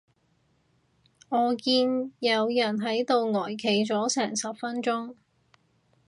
我見有人喺度呆企咗成十分鐘